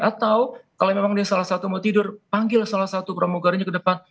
atau kalau memang dia salah satu mau tidur panggil salah satu promogarnya ke depan